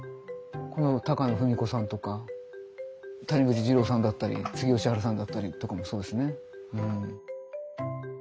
高野文子さんとか谷口ジローさんだったりつげ義春さんだったりとかもそうですね。